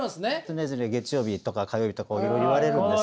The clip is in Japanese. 常々月曜日とか火曜日とか言われるんですけど。